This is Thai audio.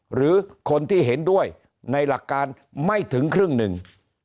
หรือคนที่เห็นด้วยในหลักการไม่ถึงครึ่งหนึ่ง